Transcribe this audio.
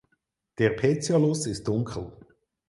Der Petiolus ist dunkel.